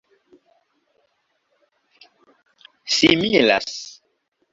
similas